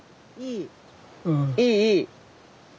いいいい。